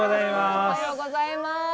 おはようございます。